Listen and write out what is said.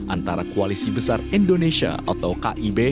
antara koalisi besar indonesia atau kib